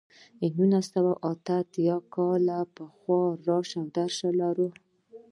له نولس سوه اته اته کال را په دېخوا راشه درشه لرو.